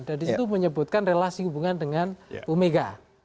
dan di situ menyebutkan relasi hubungan dengan omega